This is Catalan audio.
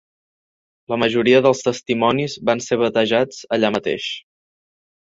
La majoria dels testimonis van ser batejats allà mateix.